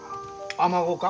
アマゴか？